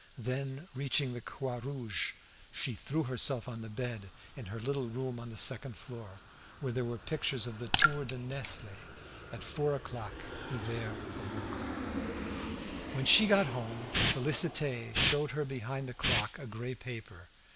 Then, reaching the "Croix Rouge," she threw herself on the bed in her little room on the second floor, where there were pictures of the "Tour de Nesle." At four o'clock Hivert awoke her. When she got home, Félicité showed her behind the clock a grey paper.